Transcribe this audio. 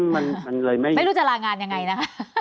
ไม่รู้จะลางานยังไงนะ